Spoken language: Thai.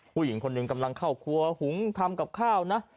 ผู้หญิงคนหนึ่งกำลังเข้าครัวหุงทำกับข้าวนะ